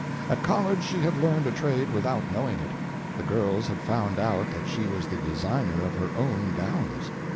At college she had learned a trade without knowing it. The girls had found out that she was the designer of her own gowns.